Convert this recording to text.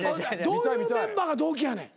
どういうメンバーが同期やねん。